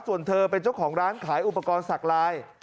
ส่วนเธอเป็นเจ้าของร้านขายอุปกรณ์สักลาย